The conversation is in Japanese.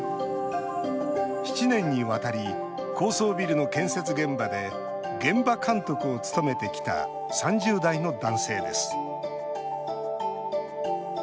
７年にわたり高層ビルの建設現場で現場監督を務めてきた３０代の男性です。